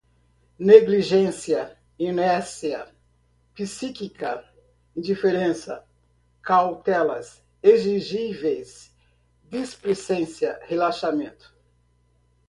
negligência, inércia, psíquica, indiferença, cautelas exigíveis, displicência, relaxamento